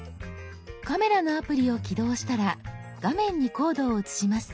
カメラのアプリを起動したら画面にコードを写します。